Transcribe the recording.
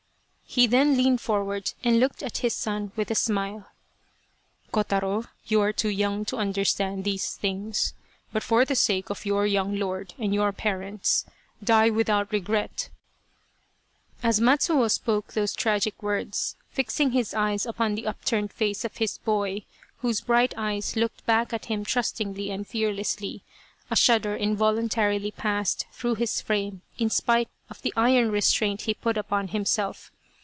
He then leaned forward and looked at his son with a smile. " Kotaro, you are too young to understand these things, but for the sake of your young lord and your parents, die without regret !" As Matsuo spoke those tragic words, fixing his eyes upon the upturned face of his boy, whose bright eyes looked back at him trustingly and fearlessly, a shudder involuntarily passed through his frame in spite of the iron restraint he put upon himself.